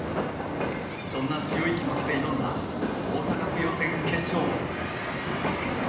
そんな強い気持ちで挑んだ大阪府予選決勝。